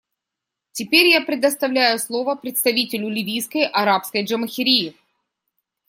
Теперь я предоставляю слово представителю Ливийской Арабской Джамахирии.